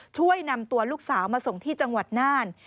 ช่วยนำตัวลูกสาวมาส่งที่จังหวัดน่าน